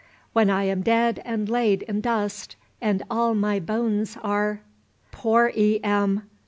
"When I am dead and lay'd in dust And all my bones are" Poor E. M.!